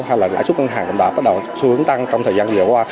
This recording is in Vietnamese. hay là lãi suất ngân hàng cũng đã bắt đầu xuống tăng trong thời gian vừa qua